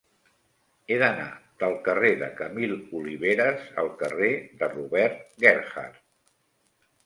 He d'anar del carrer de Camil Oliveras al carrer de Robert Gerhard.